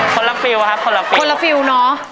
คนละฟิวครับคนละฟิวคนละฟิวเนาะ